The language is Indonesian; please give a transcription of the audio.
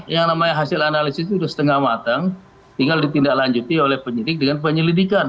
kalau hasil analisis itu sudah setengah matang tinggal ditidaklanjuti oleh penyidik dengan penyelidikan